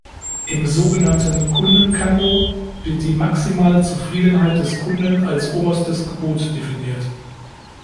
Im sogenannten Kunden-Kando wird die "maximale Zufriedenheit des Kunden" als oberstes Gebot definiert.